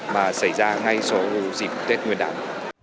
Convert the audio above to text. mà xảy ra ngay sau dịp tết nguyên đám